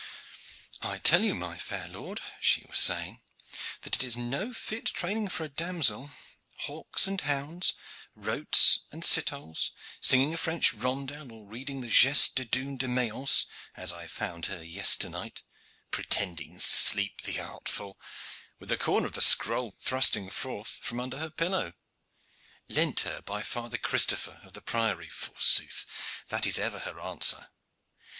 "I tell you, my fair lord," she was saying, "that it is no fit training for a demoiselle: hawks and hounds, rotes and citoles singing a French rondel, or reading the Gestes de Doon de Mayence, as I found her yesternight, pretending sleep, the artful, with the corner of the scroll thrusting forth from under her pillow. Lent her by Father Christopher of the priory, forsooth that is ever her answer.